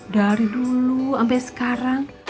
dari dulu ampe sekarang